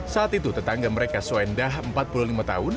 saat itu tetangga mereka suendah empat puluh lima tahun